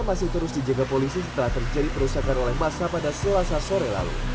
masih terus dijaga polisi setelah terjadi perusakan oleh massa pada selasa sore lalu